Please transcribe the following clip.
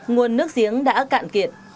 nguồn nước giếng đã cạn kiệt